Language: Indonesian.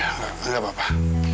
enggak enggak enggak pak